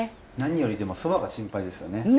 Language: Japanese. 何よりでも蕎麦が心配ですよね。